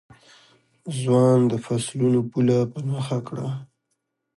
ځوان د فصلونو پوله په نښه کړه.